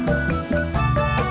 tati disuruh nyiram